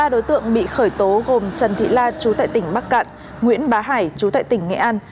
ba đối tượng bị khởi tố gồm trần thị la chú tại tỉnh bắc cạn nguyễn bá hải chú tại tỉnh nghệ an